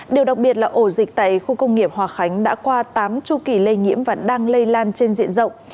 điều đặc biệt là ổ dịch tại khu công nghiệp hòa khánh đã qua tám chu kỳ lây nhiễm và đang lây lan trên diện rộng